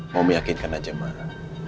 mau meyakinkan aja mama